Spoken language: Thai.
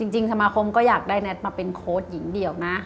สมาคมก็อยากได้แท็ตมาเป็นโค้ดหญิงเดี่ยวนะ